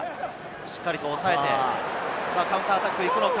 しっかり、おさえて、カウンターアタックに行くのか？